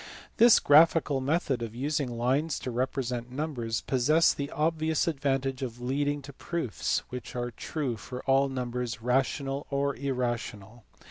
This graphical method of using lines to represent numbers possesses the obvious advantage of leading to proofs which are true for all numbers, rational or irrational.